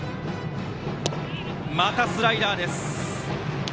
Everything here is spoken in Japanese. またスライダーです。